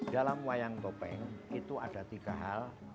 dalam wayang topeng itu ada tiga hal